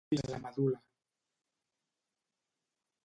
Fins a la medul·la.